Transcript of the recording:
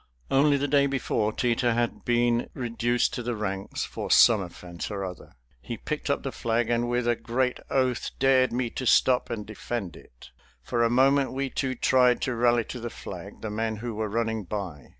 Only the day before Teter had been reduced to the ranks for some offense or another. He picked up the flag and with a great oath dared me to stop and defend it. For a moment we two tried to rally to the flag the men who were running by.